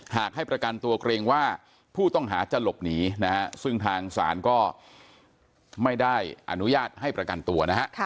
หากให้ประกันตัวเกรงว่าผู้ต้องหาจะหลบหนีนะฮะซึ่งทางศาลก็ไม่ได้อนุญาตให้ประกันตัวนะฮะ